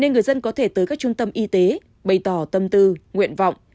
nên người dân có thể tới các trung tâm y tế bày tỏ tâm tư nguyện vọng